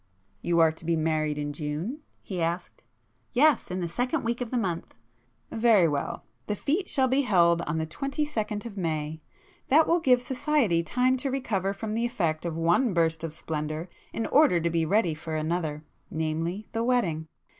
"You are to be married in June?" he asked. "Yes,—in the second week of the month." "Very well. The fête shall be held on the twenty second of May,—that will give society time to recover from the effect of one burst of splendour in order to be ready for another,—namely the wedding.